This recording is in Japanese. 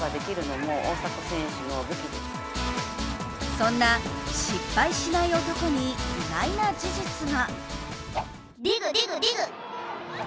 そんな失敗しない男に意外な事実が。